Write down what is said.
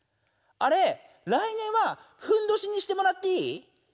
あれ来年はふんどしにしてもらっていい？